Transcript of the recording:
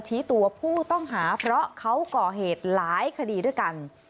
ชี้ตัวผู้ต้องหาเพราะเขาก่อเหตุหลายคดีด้วยกัน